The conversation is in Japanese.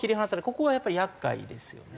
ここはやっぱり厄介ですよね。